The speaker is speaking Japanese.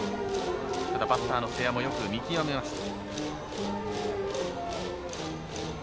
バッターの瀬谷もよく見極めました。